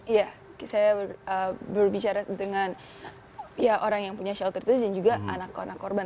iya saya berbicara dengan ya orang yang punya shelter itu dan juga anak korban